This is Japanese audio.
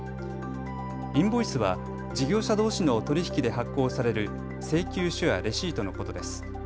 インボイスは事業者どうしの取り引きで発行される請求書やレシートのことです。